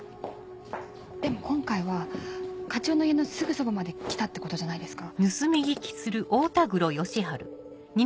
でも今回は課長の家のすぐそばまで来たってことじゃないですか。